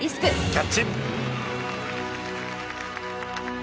キャッチ。